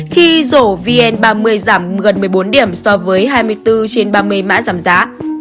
khi rổ vn ba mươi giảm gần một mươi bốn điểm so với hai mươi bốn trên ba mươi mã giảm giá